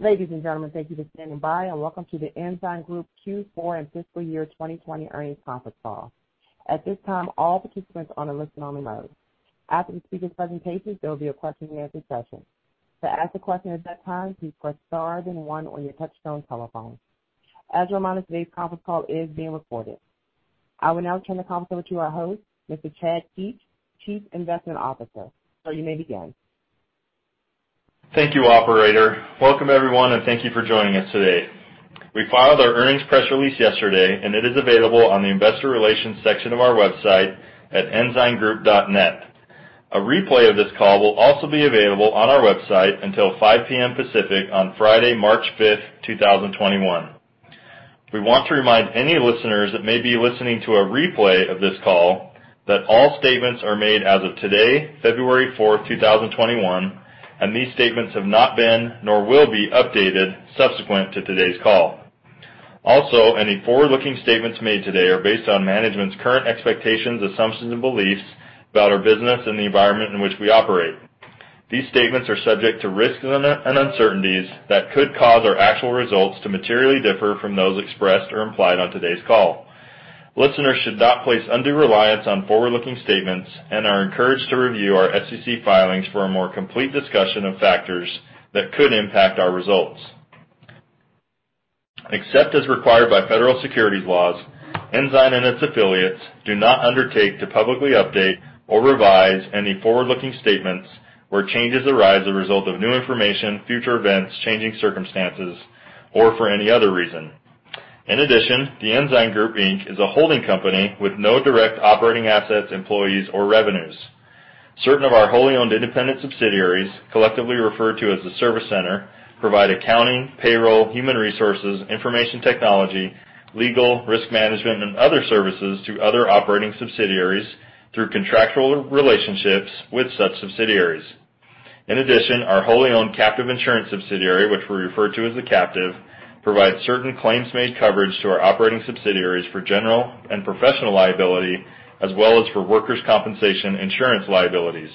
Ladies and gentlemen, thank you for standing by, and welcome to The Ensign Group Q4 and fiscal year 2020 earnings conference call. At this time, all participants are in listen only mode. After the speakers' presentations, there will be a question-and-answer session. To ask a question at that time, please press star then one on your touchtone telephone. As a reminder, today's conference call is being recorded. I will now turn the conference over to our host, Mr. Chad Keetch, Chief Investment Officer. Sir, you may begin. Thank you, operator. Welcome everyone, and thank you for joining us today. We filed our earnings press release yesterday, and it is available on the investor relations section of our website at ensigngroup.net. A replay of this call will also be available on our website until 5:00 P.M. Pacific on Friday, March 5th, 2021. We want to remind any listeners that may be listening to a replay of this call that all statements are made as of today, February 4th, 2021, and these statements have not been, nor will be, updated subsequent to today's call. Any forward-looking statements made today are based on management's current expectations, assumptions and beliefs about our business and the environment in which we operate. These statements are subject to risks and uncertainties that could cause our actual results to materially differ from those expressed or implied on today's call. Listeners should not place undue reliance on forward-looking statements and are encouraged to review our SEC filings for a more complete discussion of factors that could impact our results. Except as required by federal securities laws, Ensign and its affiliates do not undertake to publicly update or revise any forward-looking statements where changes arise a result of new information, future events, changing circumstances, or for any other reason. The Ensign Group Inc. is a holding company with no direct operating assets, employees, or revenues. Certain of our wholly owned independent subsidiaries, collectively referred to as the service center, provide accounting, payroll, human resources, information technology, legal, risk management, and other services to other operating subsidiaries through contractual relationships with such subsidiaries. In addition, our wholly owned captive insurance subsidiary, which we refer to as the captive, provides certain claims-made coverage to our operating subsidiaries for general and professional liability, as well as for workers' compensation insurance liabilities.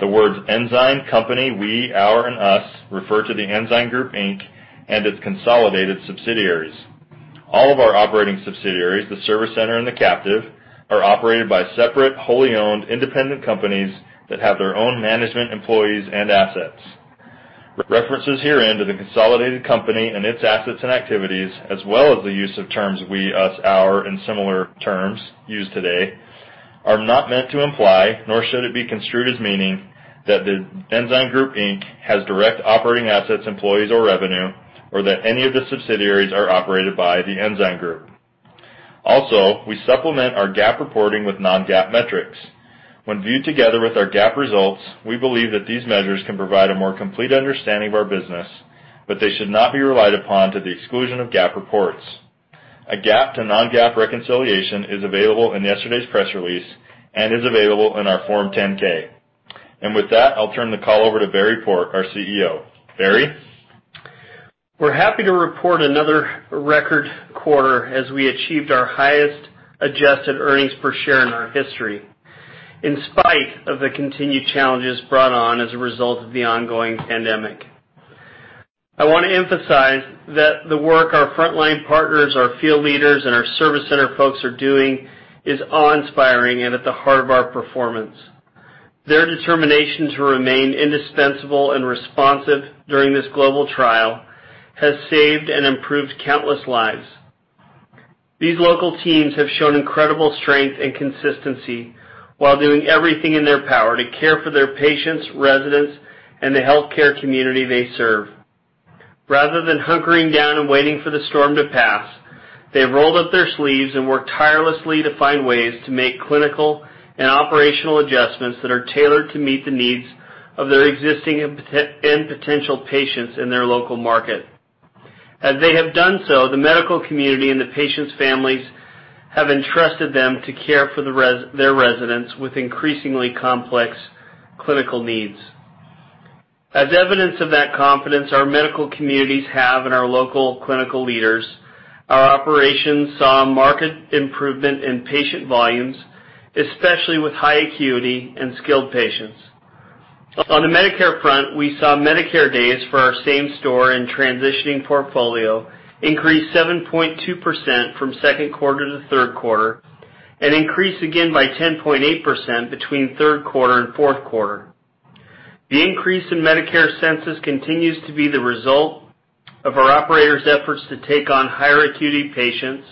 The words Ensign, company, we, our and us refer to The Ensign Group Inc. and its consolidated subsidiaries. All of our operating subsidiaries, the service center, and the captive, are operated by separate, wholly owned independent companies that have their own management, employees, and assets. References herein to the consolidated company and its assets and activities, as well as the use of terms we, us, our, and similar terms used today are not meant to imply, nor should it be construed as meaning, that The Ensign Group Inc. has direct operating assets, employees, or revenue, or that any of the subsidiaries are operated by The Ensign Group. We supplement our GAAP reporting with non-GAAP metrics. When viewed together with our GAAP results, we believe that these measures can provide a more complete understanding of our business, but they should not be relied upon to the exclusion of GAAP reports. A GAAP to non-GAAP reconciliation is available in yesterday's press release and is available in our Form 10-K. With that, I'll turn the call over to Barry Port, our CEO. Barry? We're happy to report another record quarter as we achieved our highest adjusted earnings per share in our history, in spite of the continued challenges brought on as a result of the ongoing pandemic. I want to emphasize that the work our frontline partners, our field leaders, and our service center folks are doing is awe-inspiring and at the heart of our performance. Their determination to remain indispensable and responsive during this global trial has saved and improved countless lives. These local teams have shown incredible strength and consistency while doing everything in their power to care for their patients, residents, and the healthcare community they serve. Rather than hunkering down and waiting for the storm to pass, they rolled up their sleeves and worked tirelessly to find ways to make clinical and operational adjustments that are tailored to meet the needs of their existing and potential patients in their local market. As they have done so, the medical community and the patients' families have entrusted them to care for their residents with increasingly complex clinical needs. As evidence of that confidence our medical communities have in our local clinical leaders, our operations saw marked improvement in patient volumes, especially with high acuity and skilled patients. On the Medicare front, we saw Medicare days for our same-store and transitioning portfolio increase 7.2% from second quarter to third quarter, and increase again by 10.8% between third quarter and fourth quarter. The increase in Medicare census continues to be the result of our operators' efforts to take on higher acuity patients,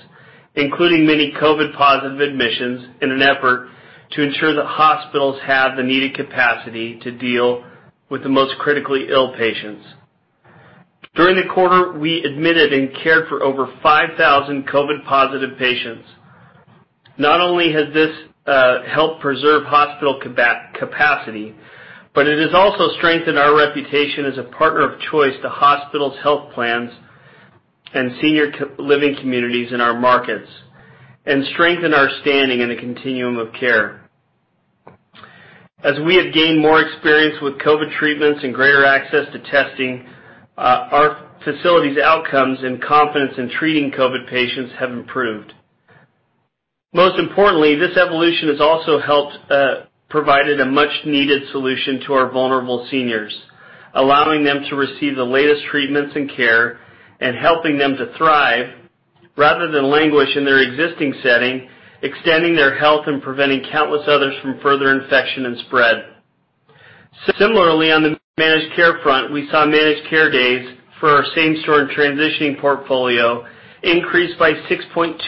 including many COVID positive admissions, in an effort to ensure that hospitals have the needed capacity to deal with the most critically ill patients. During the quarter, we admitted and cared for over 5,000 COVID positive patients. Not only has this helped preserve hospital capacity, but it has also strengthened our reputation as a partner of choice to hospitals, health plans, and senior living communities in our markets and strengthened our standing in the continuum of care. As we have gained more experience with COVID treatments and greater access to testing, our facilities' outcomes and confidence in treating COVID patients have improved. Most importantly, this evolution has also helped provided a much needed solution to our vulnerable seniors, allowing them to receive the latest treatments and care and helping them to thrive rather than languish in their existing setting, extending their health and preventing countless others from further infection and spread. Similarly, on the managed care front, we saw managed care days for our same store and transitioning portfolio increase by 6.2%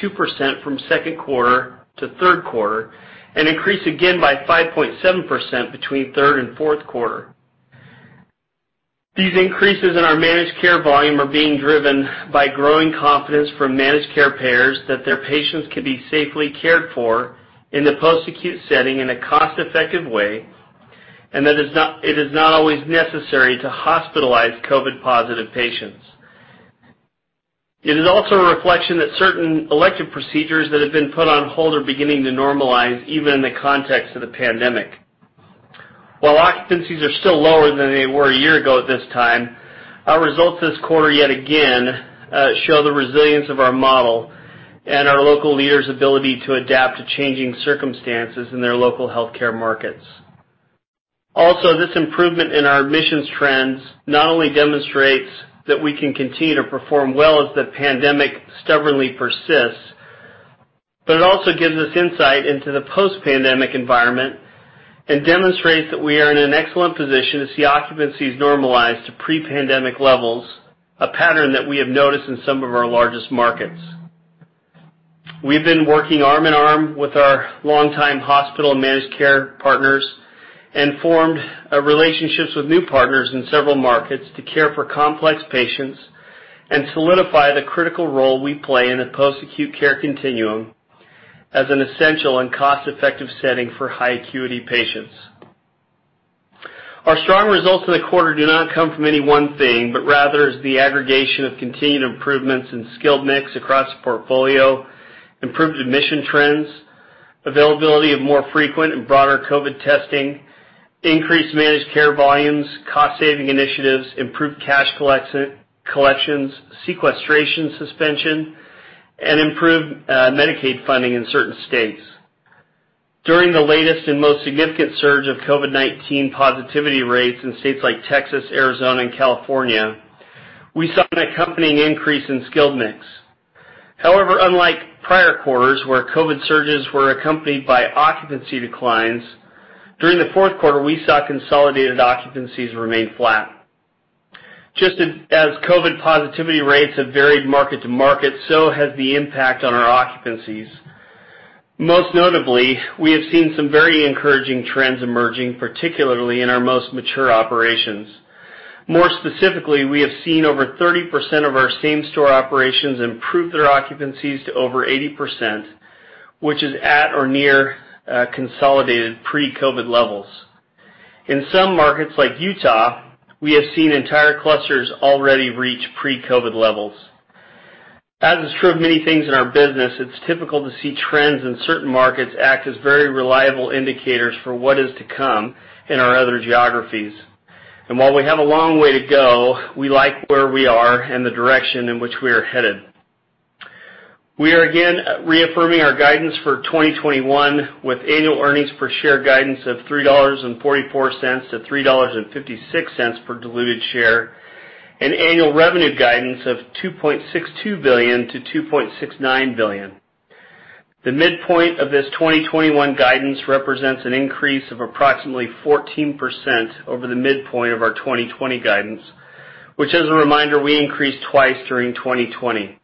from second quarter to third quarter, and increase again by 5.7% between third and fourth quarter. These increases in our managed care volume are being driven by growing confidence from managed care payers that their patients can be safely cared for in the post-acute setting in a cost-effective way, and that it is not always necessary to hospitalize COVID-positive patients. It is also a reflection that certain elective procedures that have been put on hold are beginning to normalize, even in the context of the pandemic. While occupancies are still lower than they were a year ago at this time, our results this quarter yet again show the resilience of our model and our local leaders' ability to adapt to changing circumstances in their local healthcare markets. This improvement in our admissions trends not only demonstrates that we can continue to perform well as the pandemic stubbornly persists, but it also gives us insight into the post-pandemic environment and demonstrates that we are in an excellent position to see occupancies normalize to pre-pandemic levels, a pattern that we have noticed in some of our largest markets. We've been working arm in arm with our longtime hospital managed care partners and formed relationships with new partners in several markets to care for complex patients and solidify the critical role we play in the post-acute care continuum as an essential and cost-effective setting for high acuity patients. Our strong results in the quarter do not come from any one thing, but rather is the aggregation of continued improvements in skilled mix across the portfolio, improved admission trends, availability of more frequent and broader COVID testing, increased managed care volumes, cost-saving initiatives, improved cash collections, sequestration suspension, and improved Medicaid funding in certain states. During the latest and most significant surge of COVID-19 positivity rates in states like Texas, Arizona, and California, we saw an accompanying increase in skilled mix. However, unlike prior quarters where COVID surges were accompanied by occupancy declines, during the fourth quarter, we saw consolidated occupancies remain flat. Just as COVID positivity rates have varied market to market, so has the impact on our occupancies. Most notably, we have seen some very encouraging trends emerging, particularly in our most mature operations. More specifically, we have seen over 30% of our same store operations improve their occupancies to over 80%, which is at or near consolidated pre-COVID levels. In some markets like Utah, we have seen entire clusters already reach pre-COVID levels. As is true of many things in our business, it's typical to see trends in certain markets act as very reliable indicators for what is to come in our other geographies. While we have a long way to go, we like where we are and the direction in which we are headed. We are again reaffirming our guidance for 2021 with annual earnings per share guidance of $3.44-$3.56 per diluted share, and annual revenue guidance of $2.62 billion-$2.69 billion. The midpoint of this 2021 guidance represents an increase of approximately 14% over the midpoint of our 2020 guidance, which as a reminder, we increased twice during 2020.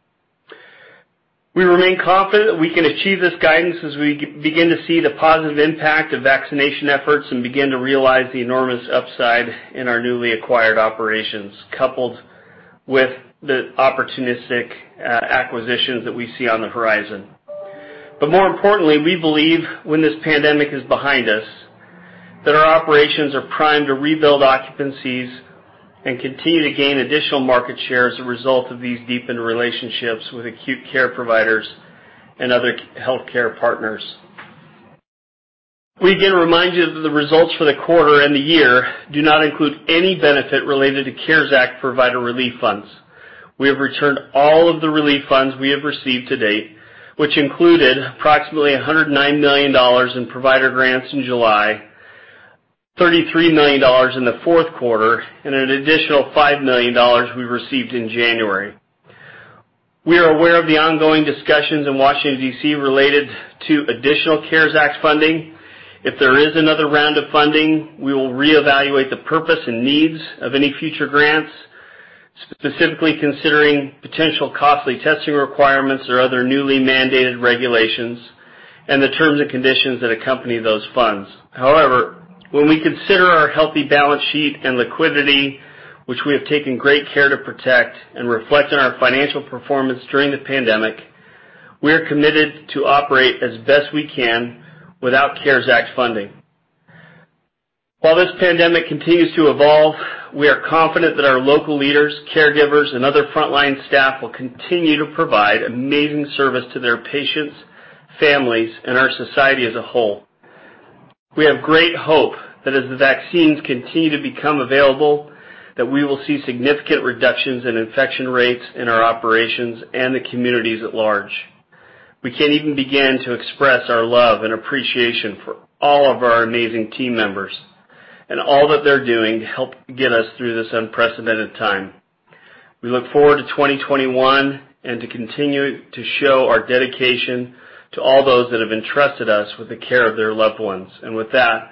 We remain confident that we can achieve this guidance as we begin to see the positive impact of vaccination efforts and begin to realize the enormous upside in our newly acquired operations, coupled with the opportunistic acquisitions that we see on the horizon. More importantly, we believe when this pandemic is behind us, that our operations are primed to rebuild occupancies and continue to gain additional market share as a result of these deepened relationships with acute care providers and other healthcare partners. We again remind you that the results for the quarter and the year do not include any benefit related to CARES Act provider relief funds. We have returned all of the relief funds we have received to date, which included approximately $109 million in provider grants in July, $33 million in the fourth quarter, and an additional $5 million we received in January. We are aware of the ongoing discussions in Washington, D.C. related to additional CARES Act funding. If there is another round of funding, we will reevaluate the purpose and needs of any future grants, specifically considering potential costly testing requirements or other newly mandated regulations and the terms and conditions that accompany those funds. However, when we consider our healthy balance sheet and liquidity, which we have taken great care to protect and reflect on our financial performance during the pandemic, we are committed to operate as best we can without CARES Act funding. While this pandemic continues to evolve, we are confident that our local leaders, caregivers, and other frontline staff will continue to provide amazing service to their patients, families, and our society as a whole. We have great hope that as the vaccines continue to become available, that we will see significant reductions in infection rates in our operations and the communities at large. We can't even begin to express our love and appreciation for all of our amazing team members and all that they're doing to help get us through this unprecedented time. We look forward to 2021 and to continue to show our dedication to all those that have entrusted us with the care of their loved ones. With that,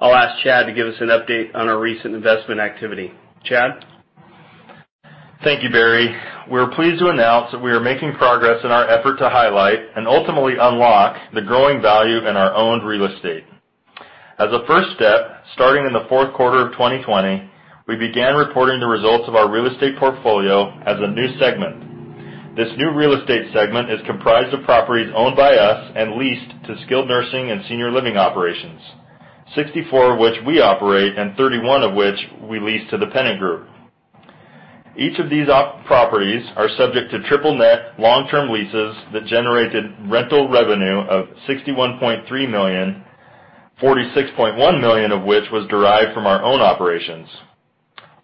I'll ask Chad to give us an update on our recent investment activity. Chad? Thank you, Barry. We're pleased to announce that we are making progress in our effort to highlight and ultimately unlock the growing value in our owned real estate. As a first step, starting in the fourth quarter of 2020, we began reporting the results of our real estate portfolio as a new segment. This new real estate segment is comprised of properties owned by us and leased to skilled nursing and senior living operations, 64 of which we operate and 31 of which we lease to The Pennant Group. Each of these properties are subject to triple-net long-term leases that generated rental revenue of $61.3 million, $46.1 million of which was derived from our own operations.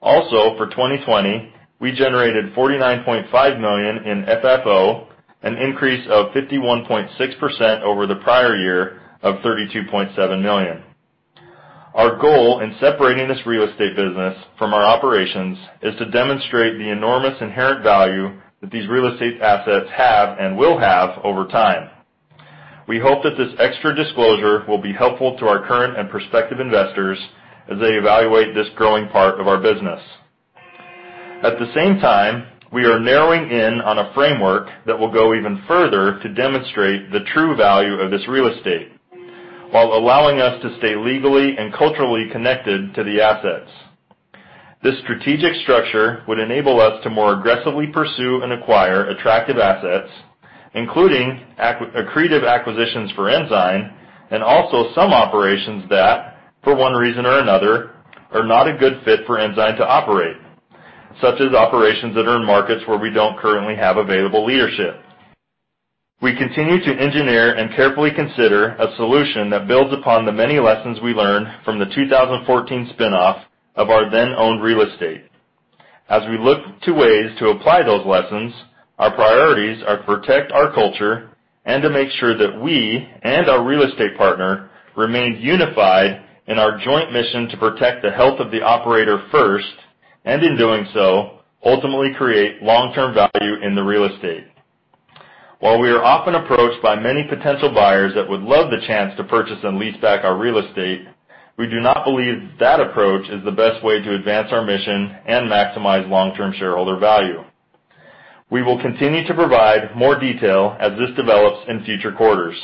Also, for 2020, we generated $49.5 million in FFO, an increase of 51.6% over the prior year of $32.7 million. Our goal in separating this real estate business from our operations is to demonstrate the enormous inherent value that these real estate assets have and will have over time. We hope that this extra disclosure will be helpful to our current and prospective investors as they evaluate this growing part of our business. At the same time, we are narrowing in on a framework that will go even further to demonstrate the true value of this real estate, while allowing us to stay legally and culturally connected to the assets. This strategic structure would enable us to more aggressively pursue and acquire attractive assets, including accretive acquisitions for Ensign, and also some operations that, for one reason or another, are not a good fit for Ensign to operate, such as operations that are in markets where we don't currently have available leadership. We continue to engineer and carefully consider a solution that builds upon the many lessons we learned from the 2014 spin-off of our then-owned real estate. As we look to ways to apply those lessons, our priorities are to protect our culture and to make sure that we and our real estate partner remain unified in our joint mission to protect the health of the operator first, and in doing so, ultimately create long-term value in the real estate. While we are often approached by many potential buyers that would love the chance to purchase and lease back our real estate, we do not believe that approach is the best way to advance our mission and maximize long-term shareholder value. We will continue to provide more detail as this develops in future quarters.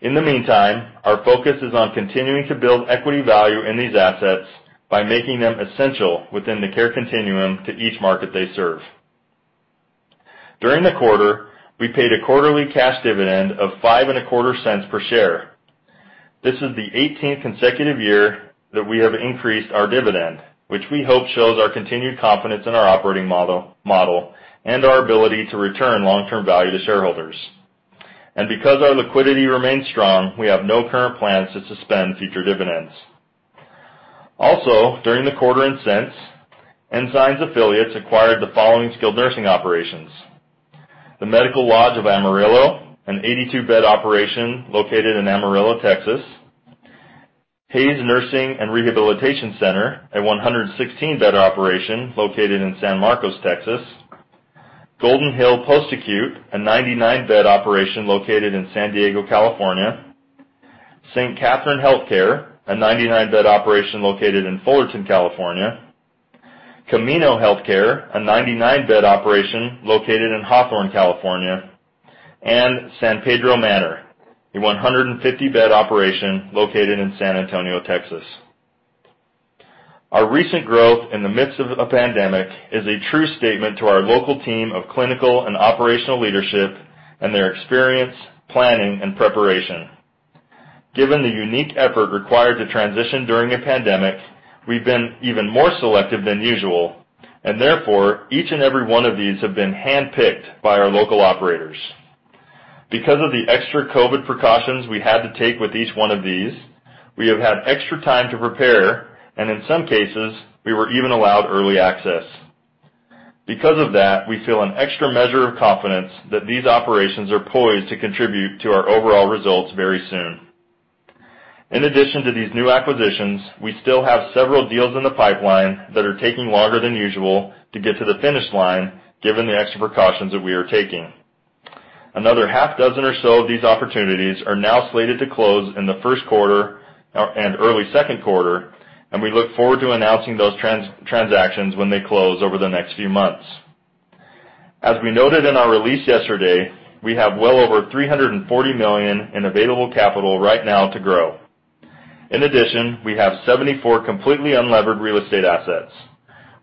In the meantime, our focus is on continuing to build equity value in these assets by making them essential within the care continuum to each market they serve. During the quarter, we paid a quarterly cash dividend of $0.0525 per share. This is the 18th consecutive year that we have increased our dividend, which we hope shows our continued confidence in our operating model and our ability to return long-term value to shareholders. Because our liquidity remains strong, we have no current plans to suspend future dividends. During the quarter and since, Ensign's affiliates acquired the following skilled nursing operations: The Medical Lodge of Amarillo, an 82-bed operation located in Amarillo, Texas; Hays Nursing and Rehabilitation Center, a 116-bed operation located in San Marcos, Texas; Golden Hill Post Acute, a 99-bed operation located in San Diego, California; St. Catherine Healthcare, a 99-bed operation located in Fullerton, California; Camino Healthcare, a 99-bed operation located in Hawthorne, California; and San Pedro Manor, a 150-bed operation located in San Antonio, Texas. Our recent growth in the midst of a pandemic is a true statement to our local team of clinical and operational leadership and their experience, planning, and preparation. Given the unique effort required to transition during a pandemic, we've been even more selective than usual. Therefore, each and every one of these have been handpicked by our local operators. Because of the extra COVID precautions we had to take with each one of these, we have had extra time to prepare, and in some cases, we were even allowed early access. Because of that, we feel an extra measure of confidence that these operations are poised to contribute to our overall results very soon. In addition to these new acquisitions, we still have several deals in the pipeline that are taking longer than usual to get to the finish line given the extra precautions that we are taking. Another half dozen or so of these opportunities are now slated to close in the first quarter and early second quarter, and we look forward to announcing those transactions when they close over the next few months. As we noted in our release yesterday, we have well over $340 million in available capital right now to grow. In addition, we have 74 completely unlevered real estate assets.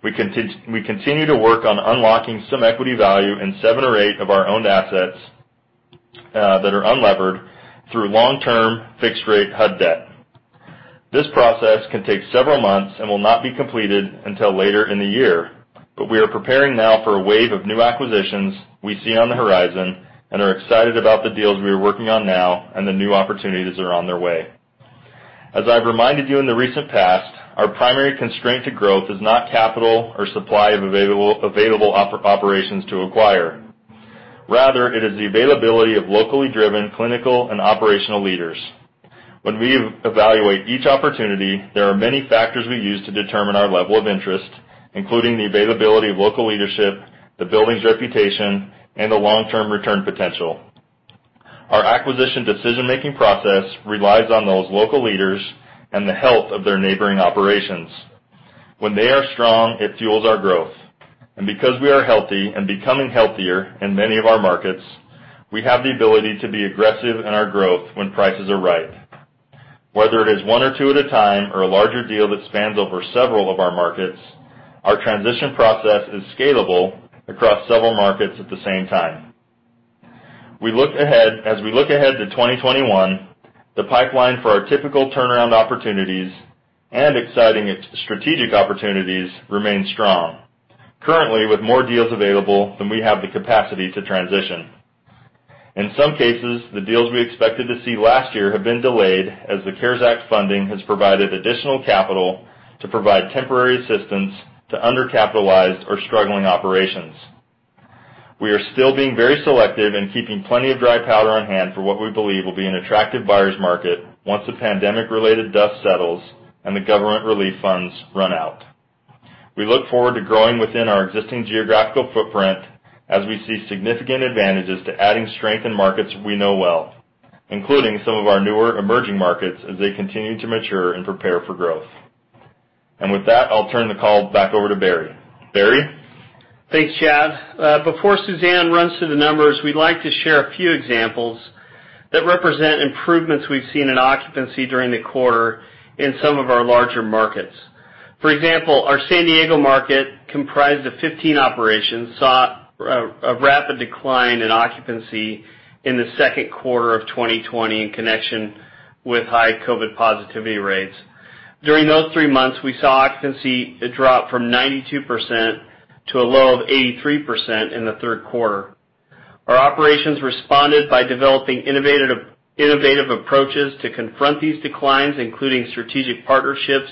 We continue to work on unlocking some equity value in seven or eight of our owned assets that are unlevered through long-term, fixed-rate HUD debt. This process can take several months and will not be completed until later in the year. We are preparing now for a wave of new acquisitions we see on the horizon and are excited about the deals we are working on now and the new opportunities that are on their way. As I've reminded you in the recent past, our primary constraint to growth is not capital or supply of available operations to acquire. Rather, it is the availability of locally driven clinical and operational leaders. When we evaluate each opportunity, there are many factors we use to determine our level of interest, including the availability of local leadership, the building's reputation, and the long-term return potential. Our acquisition decision-making process relies on those local leaders and the health of their neighboring operations. When they are strong, it fuels our growth. Because we are healthy and becoming healthier in many of our markets, we have the ability to be aggressive in our growth when prices are right. Whether it is one or two at a time or a larger deal that spans over several of our markets, our transition process is scalable across several markets at the same time. As we look ahead to 2021, the pipeline for our typical turnaround opportunities and exciting strategic opportunities remains strong, currently with more deals available than we have the capacity to transition. In some cases, the deals we expected to see last year have been delayed as the CARES Act funding has provided additional capital to provide temporary assistance to undercapitalized or struggling operations. We are still being very selective and keeping plenty of dry powder on hand for what we believe will be an attractive buyer's market once the pandemic-related dust settles and the government relief funds run out. We look forward to growing within our existing geographical footprint as we see significant advantages to adding strength in markets we know well, including some of our newer emerging markets as they continue to mature and prepare for growth. With that, I'll turn the call back over to Barry. Barry? Thanks, Chad. Before Suzanne runs through the numbers, we'd like to share a few examples that represent improvements we've seen in occupancy during the quarter in some of our larger markets. For example, our San Diego market, comprised of 15 operations, saw a rapid decline in occupancy in the second quarter of 2020 in connection with high COVID positivity rates. During those three months, we saw occupancy drop from 92% to a low of 83% in the third quarter. Our operations responded by developing innovative approaches to confront these declines, including strategic partnerships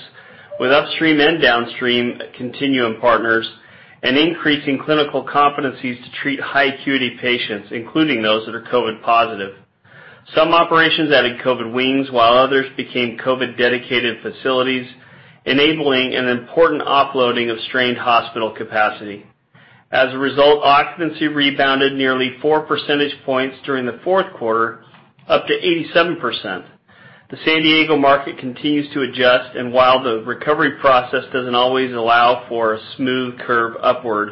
with upstream and downstream continuum partners and increasing clinical competencies to treat high-acuity patients, including those that are COVID positive. Some operations added COVID wings, while others became COVID-dedicated facilities, enabling an important offloading of strained hospital capacity. As a result, occupancy rebounded nearly 4 percentage points during the fourth quarter, up to 87%. The San Diego market continues to adjust, and while the recovery process doesn't always allow for a smooth curve upward,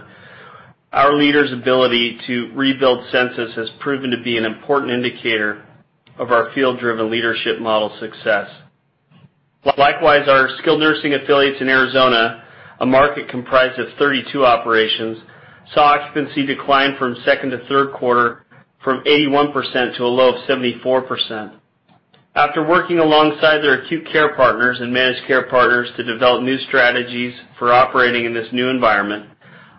our leaders' ability to rebuild census has proven to be an important indicator of our field-driven leadership model success. Likewise, our skilled nursing affiliates in Arizona, a market comprised of 32 operations, saw occupancy decline from second to third quarter from 81% to a low of 74%. After working alongside their acute care partners and managed care partners to develop new strategies for operating in this new environment,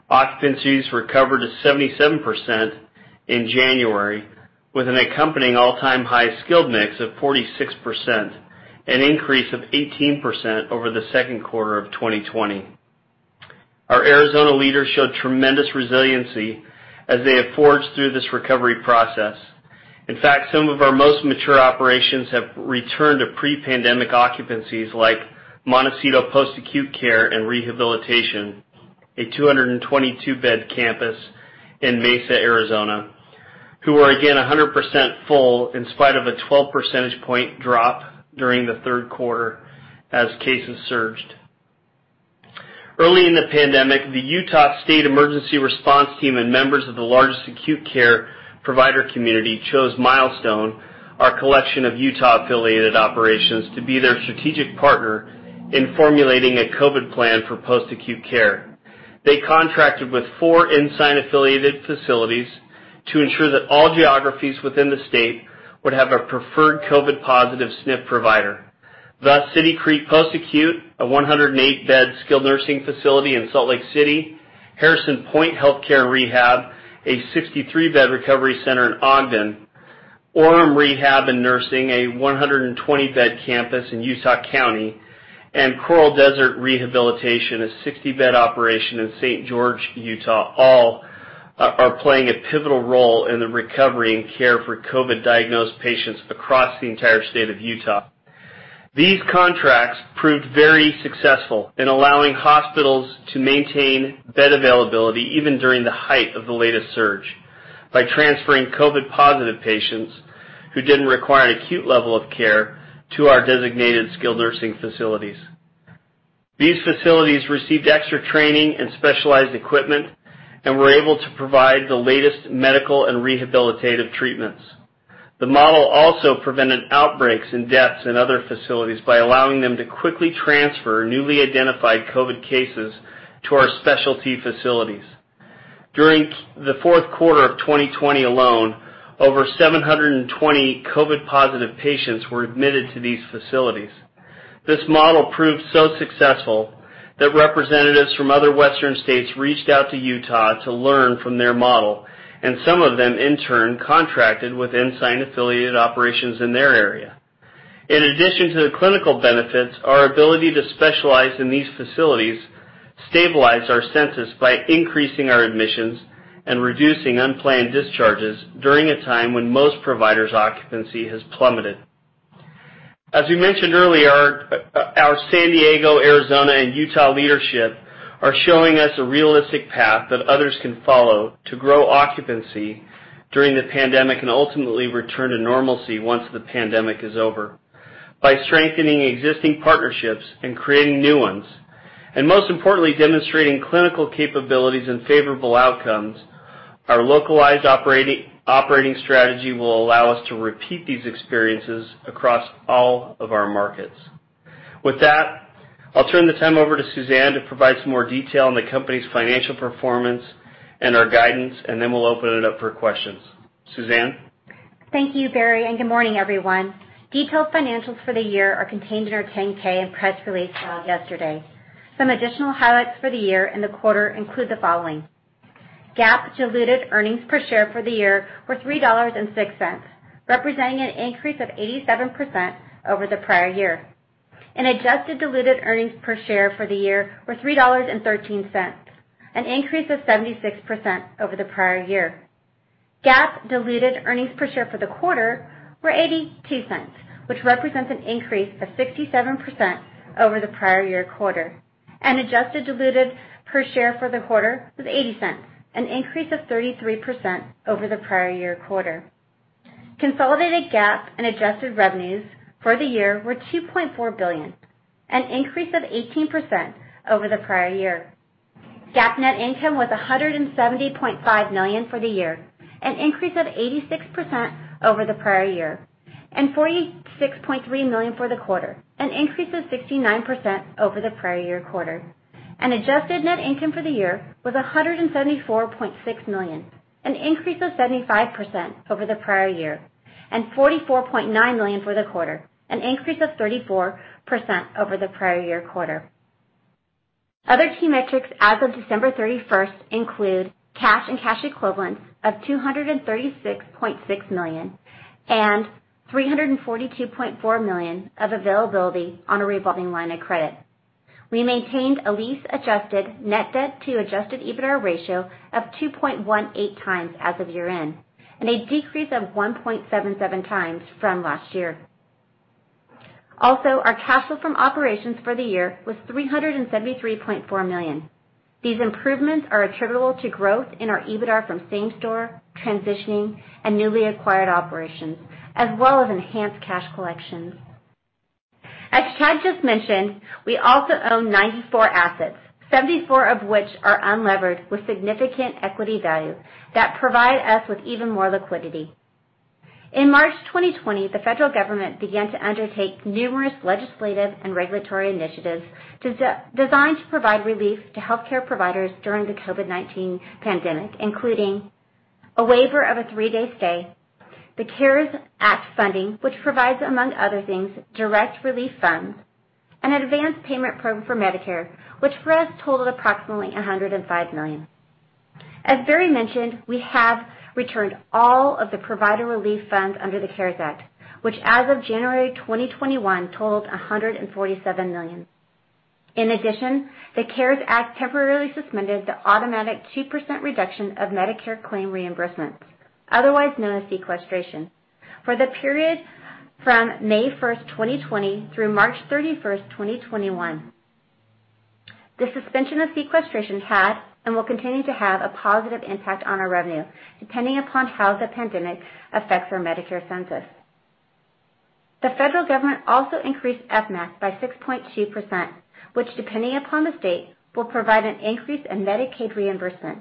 occupancies recovered to 77% in January, with an accompanying all-time high skilled mix of 46%, an increase of 18% over the second quarter of 2020. Our Arizona leaders showed tremendous resiliency as they have forged through this recovery process. In fact, some of our most mature operations have returned to pre-pandemic occupancies like Montecito Post Acute Care and Rehabilitation, a 222-bed campus in Mesa, Arizona, who are again 100% full in spite of a 12 percentage point drop during the third quarter as cases surged. Early in the pandemic, the Utah State Emergency Response Team and members of the largest acute care provider community chose Milestone, our collection of Utah-affiliated operations, to be their strategic partner in formulating a COVID plan for post-acute care. They contracted with four Ensign affiliate facilities to ensure that all geographies within the state would have a preferred COVID positive SNF provider. City Creek Post Acute, a 108-bed skilled nursing facility in Salt Lake City, Harrison Pointe Healthcare and Rehab, a 63-bed recovery center in Ogden, Orem Rehab and Nursing, a 120-bed campus in Utah County, and Coral Desert Rehabilitation, a 60-bed operation in St. George, Utah, all are playing a pivotal role in the recovery and care for COVID-diagnosed patients across the entire state of Utah. These contracts proved very successful in allowing hospitals to maintain bed availability even during the height of the latest surge by transferring COVID-positive patients who didn't require an acute level of care to our designated skilled nursing facilities. These facilities received extra training and specialized equipment and were able to provide the latest medical and rehabilitative treatments. The model also prevented outbreaks and deaths in other facilities by allowing them to quickly transfer newly identified COVID cases to our specialty facilities. During the fourth quarter of 2020 alone, over 720 COVID-positive patients were admitted to these facilities. This model proved so successful that representatives from other western states reached out to Utah to learn from their model, and some of them, in turn, contracted with Ensign affiliate operations in their area. In addition to the clinical benefits, our ability to specialize in these facilities stabilized our census by increasing our admissions and reducing unplanned discharges during a time when most providers' occupancy has plummeted. As we mentioned earlier, our San Diego, Arizona, and Utah leadership are showing us a realistic path that others can follow to grow occupancy during the pandemic and ultimately return to normalcy once the pandemic is over. By strengthening existing partnerships and creating new ones, and most importantly, demonstrating clinical capabilities and favorable outcomes, our localized operating strategy will allow us to repeat these experiences across all of our markets. With that, I'll turn the time over to Suzanne to provide some more detail on the company's financial performance and our guidance, and then we'll open it up for questions. Suzanne? Thank you, Barry, and good morning, everyone. Detailed financials for the year are contained in our 10-K and press release filed yesterday. Some additional highlights for the year and the quarter include the following. GAAP diluted earnings per share for the year were $3.06, representing an increase of 87% over the prior year, and adjusted diluted earnings per share for the year were $3.13, an increase of 76% over the prior year. GAAP diluted earnings per share for the quarter were $0.82, which represents an increase of 67% over the prior year quarter, and adjusted diluted per share for the quarter was $0.80, an increase of 33% over the prior year quarter. Consolidated GAAP and adjusted revenues for the year were $2.4 billion, an increase of 18% over the prior year. GAAP net income was $170.5 million for the year, an increase of 86% over the prior year, and $46.3 million for the quarter, an increase of 69% over the prior year quarter. Adjusted net income for the year was $174.6 million, an increase of 75% over the prior year, and $44.9 million for the quarter, an increase of 34% over the prior year quarter. Other key metrics as of December 31st include cash and cash equivalents of $236.6 million and $342.4 million of availability on a revolving line of credit. We maintained a lease adjusted net debt to adjusted EBITDA ratio of 2.18x as of year-end, a decrease of 1.77x from last year. Our cash flow from operations for the year was $373.4 million. These improvements are attributable to growth in our EBITDA from same-store, transitioning, and newly acquired operations, as well as enhanced cash collections. As Chad just mentioned, we also own 94 assets, 74 of which are unlevered with significant equity value that provide us with even more liquidity. In March 2020, the federal government began to undertake numerous legislative and regulatory initiatives designed to provide relief to healthcare providers during the COVID-19 pandemic, including a waiver of a three-day stay, the CARES Act funding, which provides, among other things, direct relief funds, an advance payment program for Medicare, which for us totaled approximately $105 million. As Barry mentioned, we have returned all of the provider relief funds under the CARES Act, which as of January 2021 totaled $147 million. In addition, the CARES Act temporarily suspended the automatic 2% reduction of Medicare claim reimbursements, otherwise known as sequestration, for the period from May 1st, 2020, through March 31st, 2021. The suspension of sequestration had, and will continue to have, a positive impact on our revenue, depending upon how the pandemic affects our Medicare census. The federal government also increased FMAP by 6.2%, which, depending upon the state, will provide an increase in Medicaid reimbursement.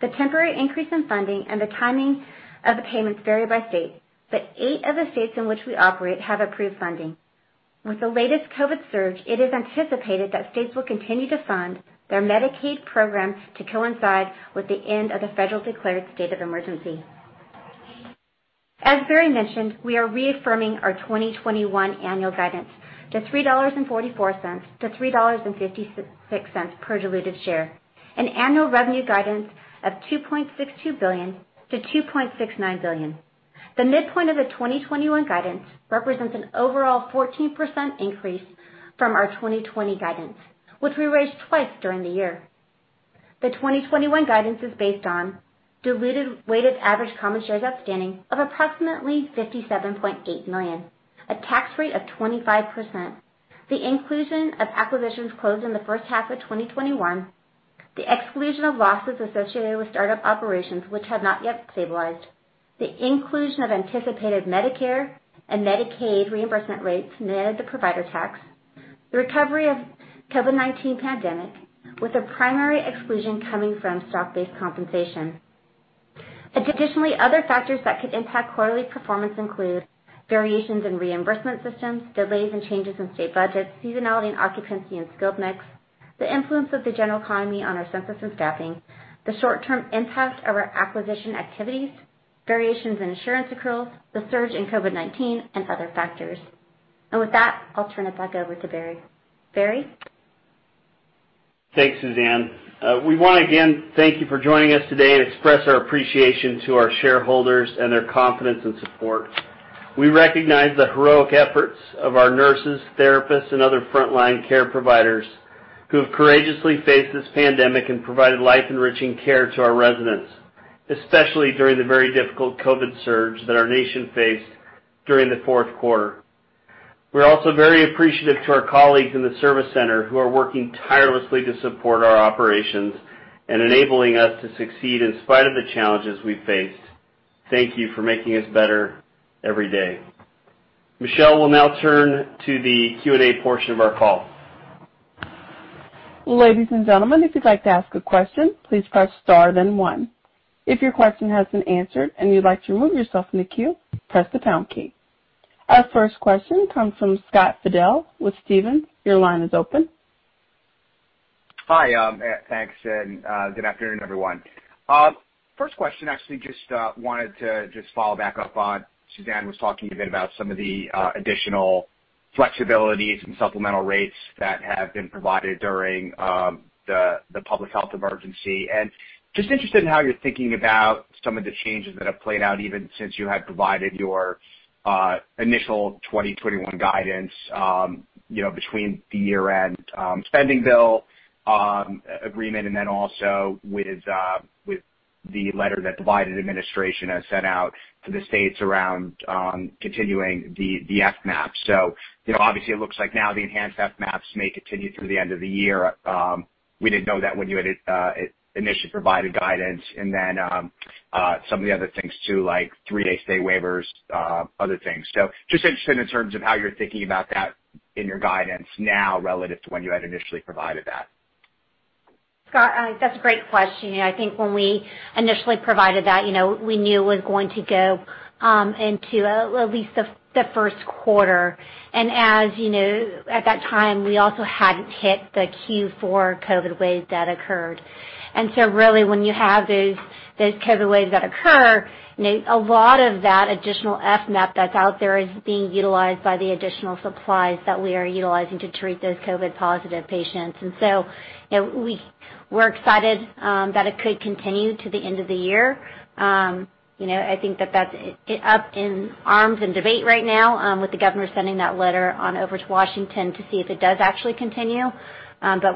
The temporary increase in funding and the timing of the payments vary by state, but eight of the states in which we operate have approved funding. With the latest COVID surge, it is anticipated that states will continue to fund their Medicaid program to coincide with the end of the federal declared state of emergency. As Barry mentioned, we are reaffirming our 2021 annual guidance to $3.44-$3.56 per diluted share, an annual revenue guidance of $2.62 billion-$2.69 billion. The midpoint of the 2021 guidance represents an overall 14% increase from our 2020 guidance, which we raised twice during the year. The 2021 guidance is based on diluted weighted average common shares outstanding of approximately 57.8 million, a tax rate of 25%, the inclusion of acquisitions closed in the first half of 2021, the exclusion of losses associated with startup operations which have not yet stabilized, the inclusion of anticipated Medicare and Medicaid reimbursement rates net of the provider tax, the recovery of COVID-19 pandemic, with a primary exclusion coming from stock-based compensation. Additionally, other factors that could impact quarterly performance include variations in reimbursement systems, delays and changes in state budgets, seasonality and occupancy in skilled mix, the influence of the general economy on our census and staffing, the short-term impact of our acquisition activities, variations in insurance accruals, the surge in COVID-19, and other factors. With that, I'll turn it back over to Barry. Barry? Thanks, Suzanne. We want to, again, thank you for joining us today and express our appreciation to our shareholders and their confidence and support. We recognize the heroic efforts of our nurses, therapists, and other frontline care providers who have courageously faced this pandemic and provided life-enriching care to our residents, especially during the very difficult COVID surge that our nation faced during the fourth quarter. We're also very appreciative to our colleagues in the service center who are working tirelessly to support our operations and enabling us to succeed in spite of the challenges we've faced. Thank you for making us better every day. Michelle will now turn to the Q&A portion of our call. Ladies and gentlemen, if you'd like to ask a question please press star then one. If your question has been answered and you'd like to remove yourself from the queue, press the pound key. Our first question comes from Scott Fidel with Stephens. Your line is open. Hi. Thanks, and good afternoon, everyone. First question, actually, just wanted to just follow back up on Suzanne was talking a bit about some of the additional flexibilities and supplemental rates that have been provided during the public health emergency. Just interested in how you're thinking about some of the changes that have played out even since you had provided your initial 2021 guidance, between the year-end spending bill agreement and then also with the letter that the Biden administration has sent out to the states around continuing the FMAP. Obviously, it looks like now the enhanced FMAPs may continue through the end of the year. We didn't know that when you had initially provided guidance and then some of the other things, too, like three-day stay waivers, other things. Just interested in terms of how you're thinking about that in your guidance now relative to when you had initially provided that. Scott, that's a great question. I think when we initially provided that, we knew it was going to go into at least the first quarter. At that time, we also hadn't hit the Q4 COVID wave that occurred. Really, when you have those COVID waves that occur, a lot of that additional FMAP that's out there is being utilized by the additional supplies that we are utilizing to treat those COVID-positive patients. We're excited that it could continue to the end of the year. I think that that's up in arms in debate right now, with the governor sending that letter on over to Washington to see if it does actually continue.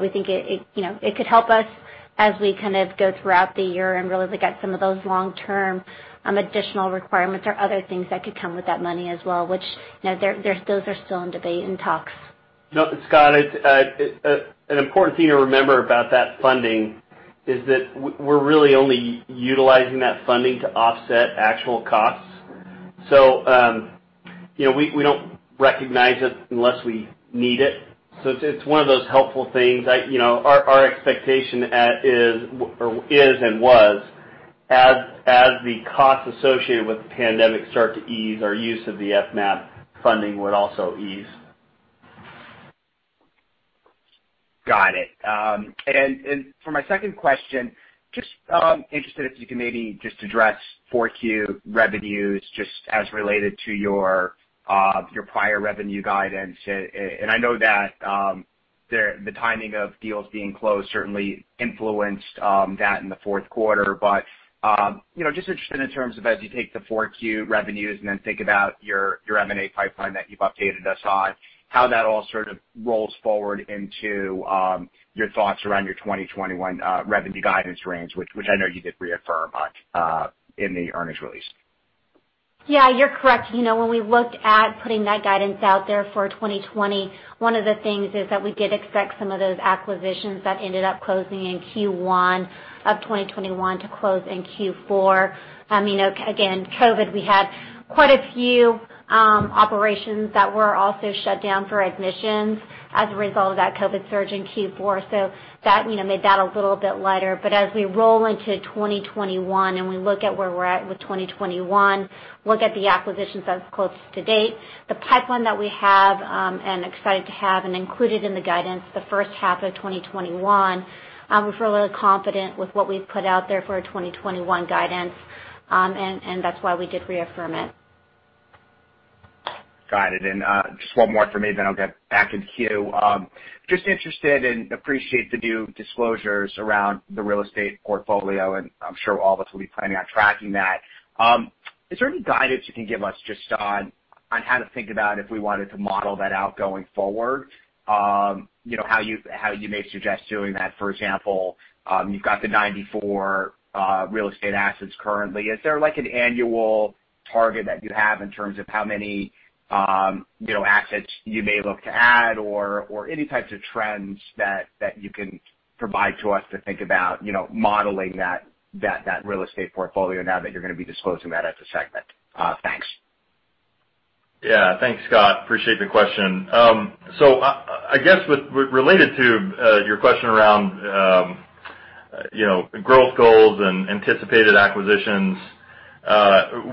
We think it could help us as we go throughout the year and really look at some of those long-term additional requirements or other things that could come with that money as well, which those are still in debate, in talks. No, Scott, an important thing to remember about that funding is that we're really only utilizing that funding to offset actual costs. We don't recognize it unless we need it. It's one of those helpful things. Our expectation is and was, as the costs associated with the pandemic start to ease, our use of the FMAP funding would also ease. Got it. For my second question, just interested if you can maybe just address 4Q revenues just as related to your prior revenue guidance. I know that the timing of deals being closed certainly influenced that in the fourth quarter. Just interested in terms of as you take the 4Q revenues and then think about your M&A pipeline that you've updated us on, how that all sort of rolls forward into your thoughts around your 2021 revenue guidance range, which I know you did reaffirm on in the earnings release. Yeah, you're correct. When we looked at putting that guidance out there for 2020, one of the things is that we did expect some of those acquisitions that ended up closing in Q1 of 2021 to close in Q4. Again, COVID, we had quite a few operations that were also shut down for admissions as a result of that COVID surge in Q4. That made that a little bit lighter. As we roll into 2021, and we look at where we're at with 2021, look at the acquisitions that have closed to date, the pipeline that we have and excited to have and included in the guidance the first half of 2021, we feel really confident with what we've put out there for our 2021 guidance. That's why we did reaffirm it. Got it. Just one more from me, then I'll get back in queue. Just interested and appreciate the new disclosures around the real estate portfolio, and I'm sure all of us will be planning on tracking that. Is there any guidance you can give us just on how to think about if we wanted to model that out going forward? How you may suggest doing that? For example, you've got the 94 real estate assets currently. Is there an annual target that you have in terms of how many assets you may look to add or any types of trends that you can provide to us to think about modeling that real estate portfolio now that you're going to be disclosing that as a segment? Thanks. Yeah. Thanks, Scott. Appreciate the question. I guess related to your question around growth goals and anticipated acquisitions,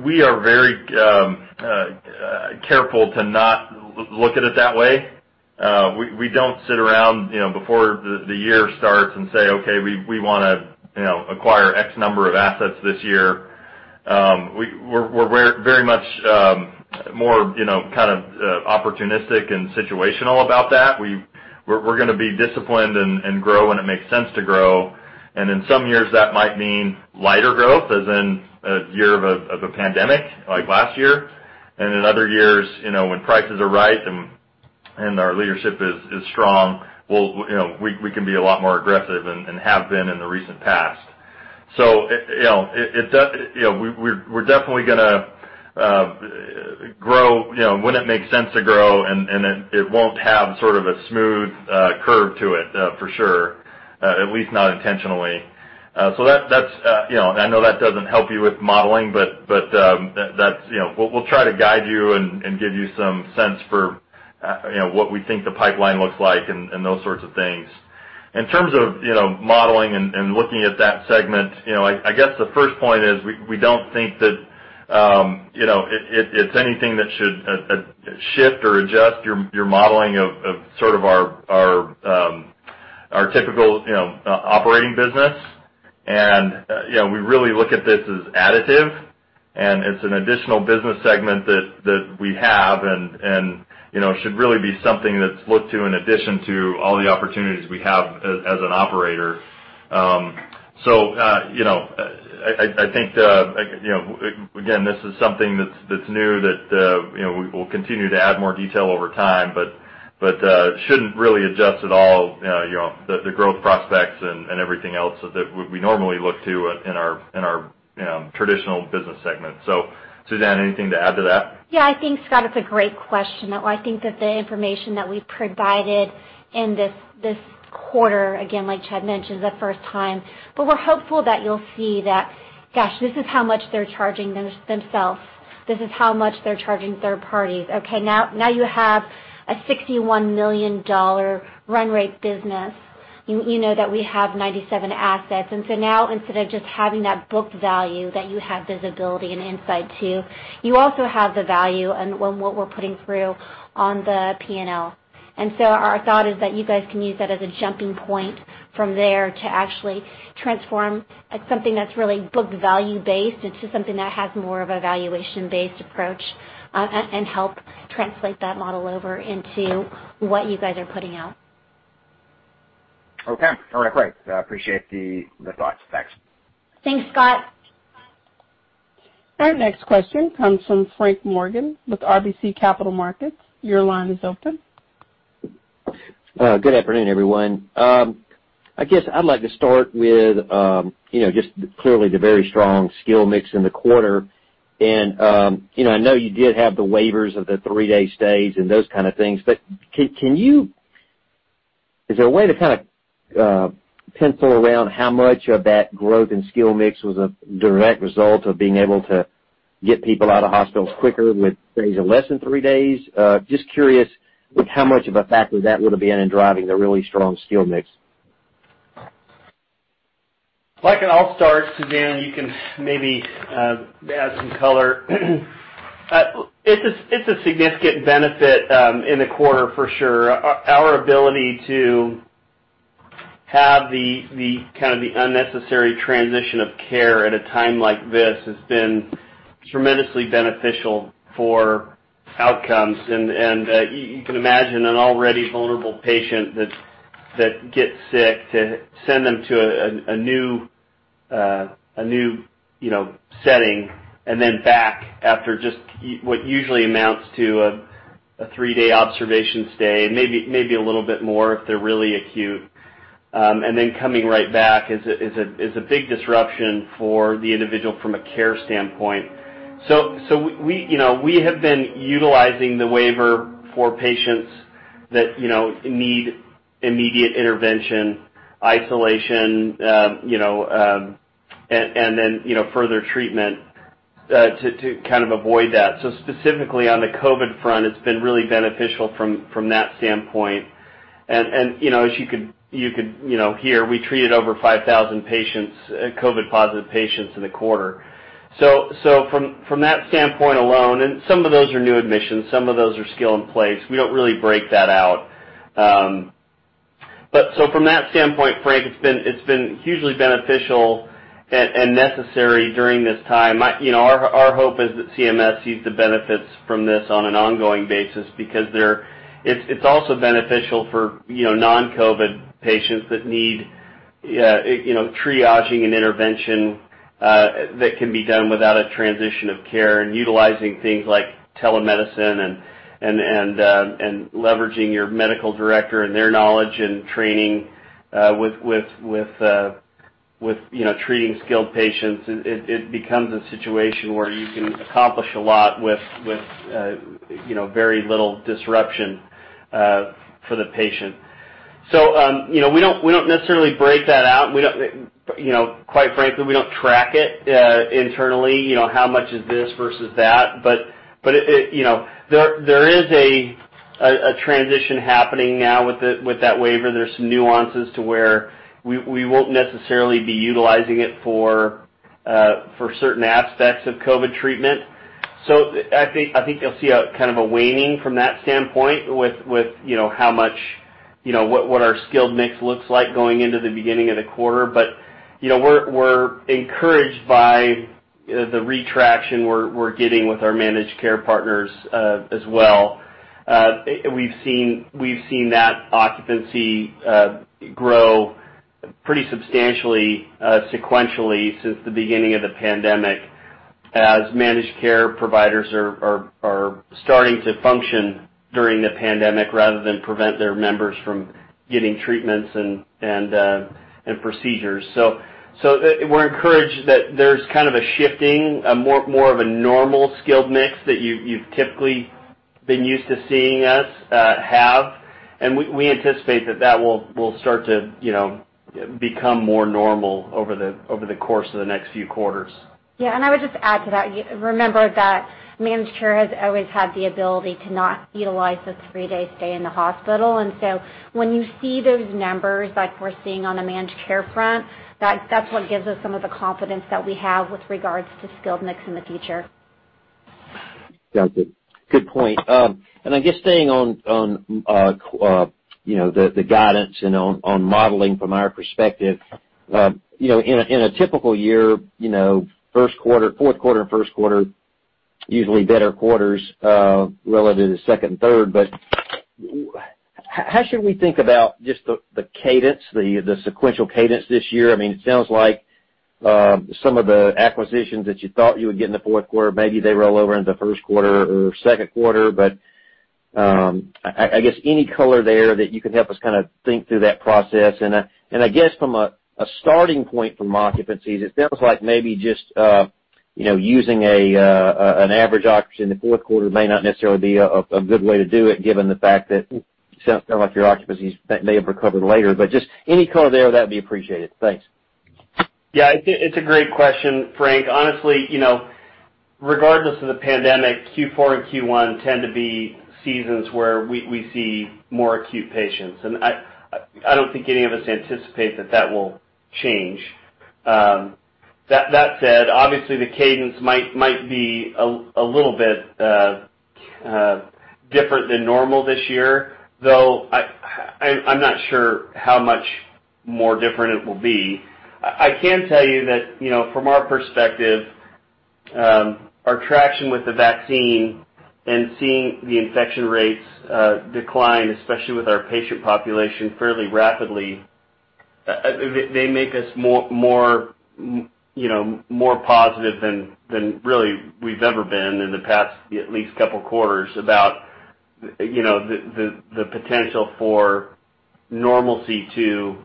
we are very careful to not look at it that way. We don't sit around before the year starts and say, "Okay, we want to acquire X number of assets this year." We're very much more opportunistic and situational about that. We're going to be disciplined and grow when it makes sense to grow. In some years, that might mean lighter growth, as in a year of a pandemic like last year. In other years, when prices are right and our leadership is strong, we can be a lot more aggressive and have been in the recent past. We're definitely going to grow when it makes sense to grow, and it won't have sort of a smooth curve to it, for sure. At least not intentionally. I know that doesn't help you with modeling, but we'll try to guide you and give you some sense for what we think the pipeline looks like and those sorts of things. In terms of modeling and looking at that segment, I guess the first point is we don't think that it's anything that should shift or adjust your modeling of sort of our typical operating business. We really look at this as additive, it's an additional business segment that we have and should really be something that's looked to in addition to all the opportunities we have as an operator. I think, again, this is something that's new that we'll continue to add more detail over time, but shouldn't really adjust at all the growth prospects and everything else that we normally look to in our traditional business segment. Suzanne, anything to add to that? I think, Scott, it's a great question. I think that the information that we provided in this quarter, again, like Chad mentioned, is the first time. We're hopeful that you'll see that, gosh, this is how much they're charging themselves. This is how much they're charging third parties. Okay, now you have a $61 million run rate business. You know that we have 97 assets, now instead of just having that book value that you have visibility and insight to, you also have the value and what we're putting through on the P&L. Our thought is that you guys can use that as a jumping point from there to actually transform something that's really book value based into something that has more of a valuation-based approach, and help translate that model over into what you guys are putting out. Okay. All right, great. I appreciate the thoughts. Thanks. Thanks, Scott. Our next question comes from Frank Morgan with RBC Capital Markets. Your line is open. Good afternoon, everyone. I guess I'd like to start with just clearly the very strong skill mix in the quarter. I know you did have the waivers of the three-day stays and those kind of things, but is there a way to kind of pencil around how much of that growth and skill mix was a direct result of being able to get people out of hospitals quicker with stays of less than three days? Just curious how much of a factor that would have been in driving the really strong skill mix. If I can, I'll start, Suzanne, you can maybe add some color. It's a significant benefit in the quarter for sure. Our ability to have the unnecessary transition of care at a time like this has been tremendously beneficial for outcomes. You can imagine an already vulnerable patient that gets sick, to send them to a new setting and then back after just what usually amounts to a three-day observation stay, maybe a little bit more if they're really acute, and then coming right back is a big disruption for the individual from a care standpoint. We have been utilizing the waiver for patients that need immediate intervention, isolation, and then further treatment, to kind of avoid that. Specifically on the COVID front, it's been really beneficial from that standpoint. As you could hear, we treated over 5,000 COVID-positive patients in the quarter. From that standpoint alone, some of those are new admissions, some of those are skill in place. We don't really break that out. From that standpoint, Frank, it's been hugely beneficial and necessary during this time. Our hope is that CMS sees the benefits from this on an ongoing basis, because it's also beneficial for non-COVID patients that need triaging and intervention that can be done without a transition of care, and utilizing things like telemedicine and leveraging your medical director and their knowledge and training with treating skilled patients. It becomes a situation where you can accomplish a lot with very little disruption for the patient. We don't necessarily break that out, and quite frankly, we don't track it internally, how much is this versus that. There is a transition happening now with that waiver. There's some nuances to where we won't necessarily be utilizing it for certain aspects of COVID treatment. I think you'll see a waning from that standpoint with what our skilled mix looks like going into the beginning of the quarter. We're encouraged by the retraction we're getting with our managed care partners as well. We've seen that occupancy grow pretty substantially sequentially since the beginning of the pandemic as managed care providers are starting to function during the pandemic rather than prevent their members from getting treatments and procedures. We're encouraged that there's a shifting, more of a normal skilled mix that you've typically been used to seeing us have, and we anticipate that that will start to become more normal over the course of the next few quarters. Yeah, I would just add to that, remember that managed care has always had the ability to not utilize the three-day stay in the hospital. When you see those numbers like we're seeing on the managed care front, that's what gives us some of the confidence that we have with regards to skilled mix in the future. Sounds good. Good point. I guess staying on the guidance and on modeling from our perspective, in a typical year, fourth quarter and first quarter are usually better quarters relative to second and third. How should we think about just the cadence, the sequential cadence this year? It sounds like some of the acquisitions that you thought you would get in the fourth quarter, maybe they roll over into first quarter or second quarter. I guess any color there that you can help us think through that process. I guess from a starting point from occupancies, it sounds like maybe just using an average occupancy in the fourth quarter may not necessarily be a good way to do it, given the fact that it sounds like your occupancies may have recovered later. Just any color there, that'd be appreciated. Thanks. Yeah, it's a great question, Frank. Honestly, regardless of the pandemic, Q4 and Q1 tend to be seasons where we see more acute patients. I don't think any of us anticipate that that will change. That said, obviously, the cadence might be a little bit different than normal this year. I'm not sure how much more different it will be. I can tell you that from our perspective, our traction with the vaccine and seeing the infection rates decline, especially with our patient population fairly rapidly, they make us more positive than really we've ever been in the past at least couple quarters about the potential for normalcy to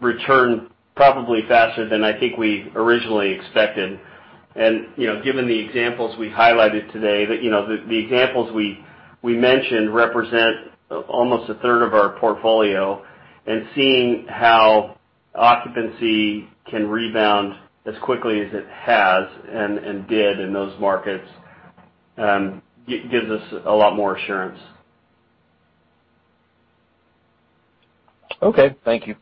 return probably faster than I think we originally expected. Given the examples we highlighted today, the examples we mentioned represent almost a third of our portfolio, and seeing how occupancy can rebound as quickly as it has and did in those markets gives us a lot more assurance. Okay. Thank you.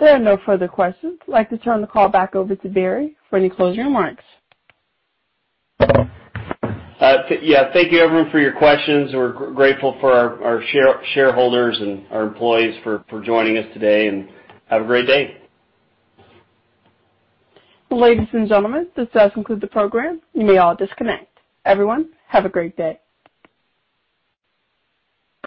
There are no further questions. I'd like to turn the call back over to Barry for any closing remarks. Yeah. Thank you, everyone, for your questions. We're grateful for our shareholders and our employees for joining us today, and have a great day. Ladies and gentlemen, this does conclude the program. You may all disconnect. Everyone, have a great day.